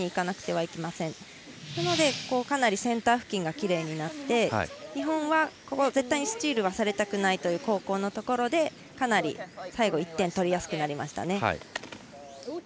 なので、かなりセンター付近がきれいになって日本は、ここ絶対にスチールされたくないという後攻のところで、かなり最後１点が取りやすくなりました。